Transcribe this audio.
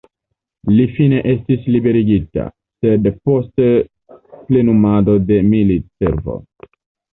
Li fine estis liberigita, sed post plenumado de militservo.